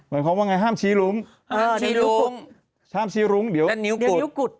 หมายความว่าไงห้ามชี้รุ้งห้ามชี้รุ้งแล้วนิ้วกุด